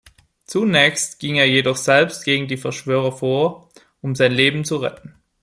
Zunächst ging er jedoch selbst gegen die Verschwörer vor, um sein Leben zu retten.